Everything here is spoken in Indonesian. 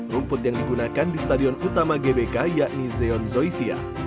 rumput yang digunakan di stadion utama gbk yakni zeon zoysia